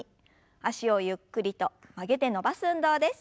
脚をゆっくりと曲げて伸ばす運動です。